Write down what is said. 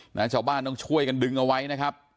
ชาวบ้านต้องช่วยกันดึงเอาไว้นะครับ